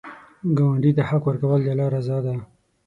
ګاونډي ته حق ورکول، د الله رضا ده